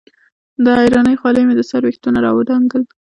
د حېرانۍ خولې مې د سر وېښتو نه راودنګل